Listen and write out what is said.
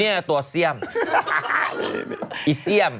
มีอะไรให้ทำบิ๊ดเซียม